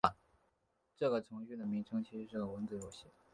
这个程序的名称其实是个文字游戏。